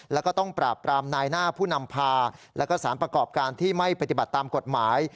แล้วก็ต้องปราบปรามนายหน้าผู้นำพาแล้วก็สารประกอบการที่ไม่ปฏิบัติตามกฎหมาย